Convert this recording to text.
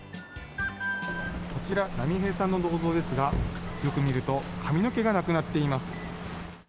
こちら、波平さんの銅像ですが、よく見ると、髪の毛がなくなっています。